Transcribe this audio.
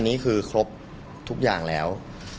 นี่คือครบทุกอย่างแล้ว